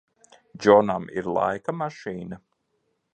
Džonam ir laika mašīna?